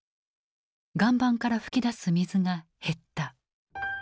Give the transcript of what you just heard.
岩盤から噴き出す水が減った。